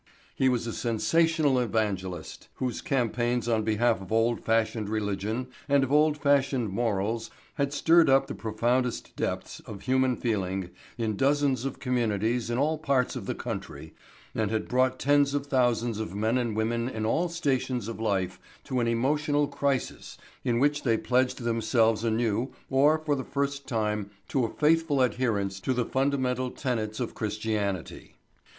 He was a sensational evangelist whose campaigns on behalf of old fashioned religion and of old fashioned morals had stirred up the profoundest depths of human feeling in dozens of communities in all parts of the country and had brought tens of thousands of men and women in all stations of life to an emotional crisis in which they pledged themselves anew or for the first time to a faithful adherence to the fundamental tenets of Christianity.